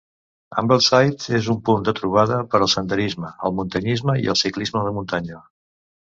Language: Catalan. Ambleside és un punt de trobada per al senderisme, el muntanyisme i el ciclisme de muntanya.